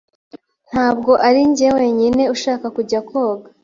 Ntabwo arinjye wenyine ushaka kujya koga.